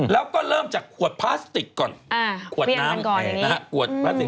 แล้วก็เริ่มจากขวดพลาสติกก่อนขวดน้ำขวดพลาสติก